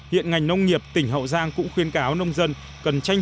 hiện ngành nông nghiệp tỉnh hậu giang cũng khuyên cáo nông dân cần tranh